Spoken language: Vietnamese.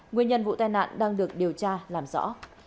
nguyên nhân vụ tai nạn đang được điều tra làm rõ